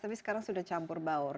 tapi sekarang sudah campur baur